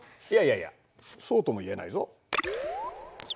いやいやいやそうとも言えないぞ。